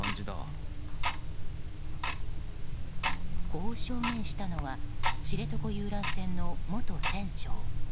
こう証言したのは知床遊覧船の元船長。